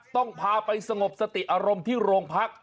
ต้องพาไปสงบสติอารมณ์ที่โรงพัก